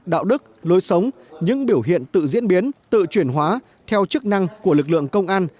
đạo đức lối sống những biểu hiện tự diễn biến tự chuyển hóa theo chức năng của lực lượng công an